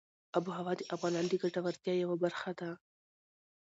آب وهوا د افغانانو د ګټورتیا یوه برخه ده.